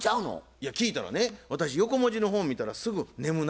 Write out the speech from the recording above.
いや聞いたらね「私横文字の本見たらすぐ眠なるねん」